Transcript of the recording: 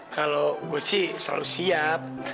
kalau gue sih selalu siap